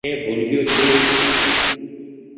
مين بهول گئيو ڇو۔